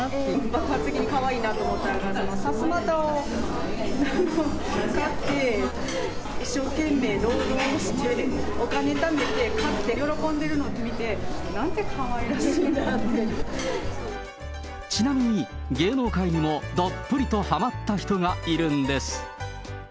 爆発的にかわいいなと思ったのが、さすまたを買って、一生懸命労働してお金貯めて買って喜んでるの見て、なんてかわいちなみに、芸能界にもどっぷりとはまった人がいるんです。